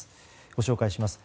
ご紹介します。